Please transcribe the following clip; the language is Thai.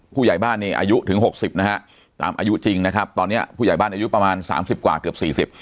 ผู้ใหญ่บ้านเนี่ยอายุถึง๖๐นะฮะตามอายุจริงนะครับตอนเนี่ยผู้ใหญ่บ้านอายุประมาณ๓๐กว่าเกือบ๔๐